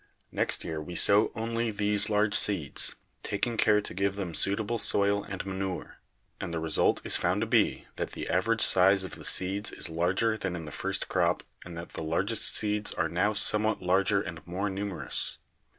Next year we sow only these large seeds, taking care to give them suitable soil and manure, and the result is found FACTORS OF EVOLUTION— SELECTION 195 to be that the average size of the seeds is larger than in the first crop and that the largest seeds are now somewhat larger and more numerous.